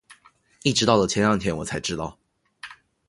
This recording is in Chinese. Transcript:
一直到了前两天我才知道